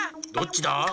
どっちだ？